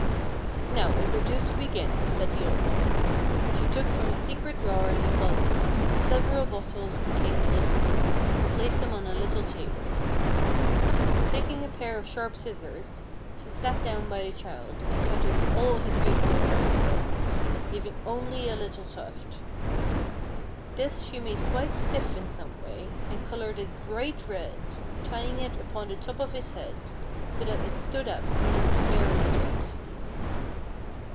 "Now, it will do to begin," said the old woman, and she took from a secret drawer in the closet several bottles containing liquids, and placed them on a little table. Taking a pair of sharp scissors, she sat down by the child, and cut off all his beautiful brown curls, leaving only a little tuft. This she made quite stiff in some way, and colored it bright red, tying it upon the top of his head, so that it stood up and looked very strangely.